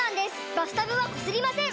バスタブはこすりません！